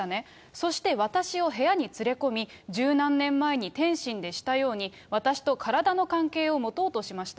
そして私を部屋に連れ込み、十何年前に天津でしたように、私と体の関係を持とうとしました。